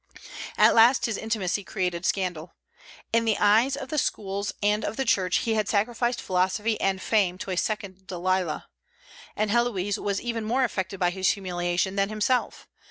At last his intimacy created scandal. In the eyes of the schools and of the Church he had sacrificed philosophy and fame to a second Delilah. And Héloïse was even more affected by his humiliation than himself.